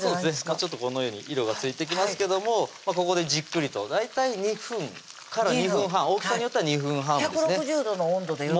ちょっとこのように色がついてきますけどもここでじっくりと大体２分から２分半大きさによっては２分半ですね１６０度の温度でよろしいですか？